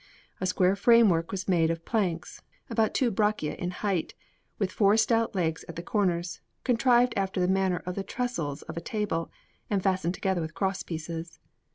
A square framework was made of planks, about two braccia in height, with four stout legs at the corners, contrived after the manner of the trestles of a table, and fastened together with cross pieces.